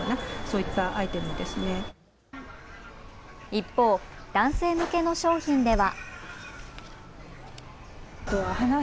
一方、男性向けの商品では。